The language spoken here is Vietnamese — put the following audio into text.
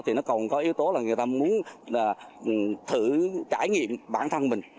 thì nó còn có yếu tố là người ta muốn thử trải nghiệm bản thân mình